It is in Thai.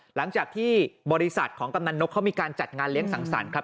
หลังจากที่บริษัทของกำนันนกเขามีการจัดงานเลี้ยงสังสรรค์ครับ